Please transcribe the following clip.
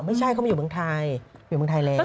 ไม่ใช่เขามาอยู่เมืองไทยอยู่เมืองไทยแล้ว